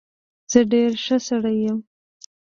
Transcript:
زه ډېر ښه سړى يم.